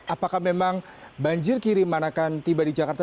apakah memang banjir kiri manakan tiba di jakarta